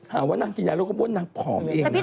ถามว่านางกินอย่างเราก็บอกว่านางผอมเองนะ